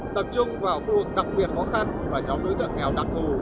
tập trung vào khu vực đặc biệt khó khăn và nhóm đối tượng nghèo đặc thù